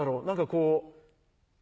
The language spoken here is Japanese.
何かこう。